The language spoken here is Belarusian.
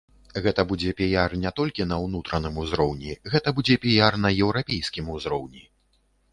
Гэта будзе піяр не толькі на ўнутраным узроўні, гэта будзе піяр на еўрапейскім узроўні.